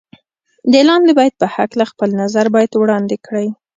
د لاندې بیت په هکله خپل نظر باید وړاندې کړئ.